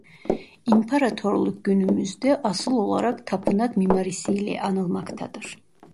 İmparatorluk günümüzde asıl olarak tapınak mimarisiyle anılmaktadır.